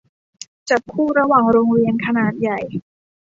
จับคู่ระหว่างโรงเรียนขนาดใหญ่